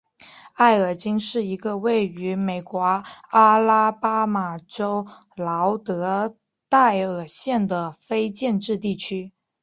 埃尔金是一个位于美国阿拉巴马州劳德代尔县的非建制地区。